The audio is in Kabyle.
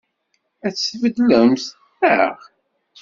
Ad tt-tbeddlemt, naɣ?